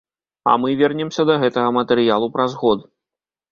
А мы вернемся да гэтага матэрыялу праз год.